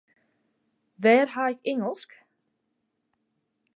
Wêr ha ik Ingelsk?